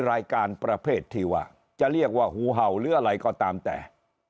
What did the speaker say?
รายการประเภทที่ว่าจะเรียกว่าหูเห่าหรืออะไรก็ตามแต่